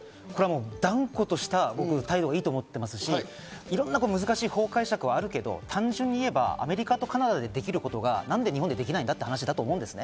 断固とした態度がいいと思ってますし、いろんな難しい法解釈はあるけど、単純に言えばアメリカとカナダでできることが何で日本にできないんだということ。